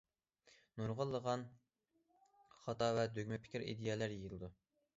نۇرغۇنلىغان خاتا ۋە دوگما پىكىر- ئىدىيەلەر يېيىلىدۇ.